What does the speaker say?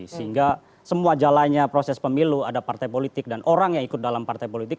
sehingga semua jalannya proses pemilu ada partai politik dan orang yang ikut dalam partai politik